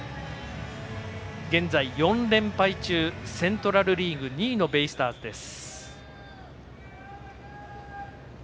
現在４連敗中セントラル・リーグ２位のベイスターズです。